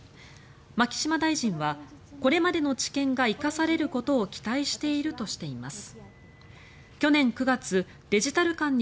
牧島大臣はこれまでの知見が生かされることを期待しているとしています。